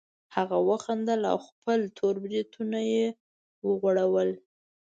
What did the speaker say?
هغه وخندل او خپل تور بریتونه یې وغوړول